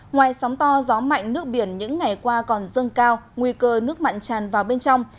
ngoài sóng to gió mạnh nước biển những ngày qua còn dâng cao nguy cơ nước mặn tràn vào bên trong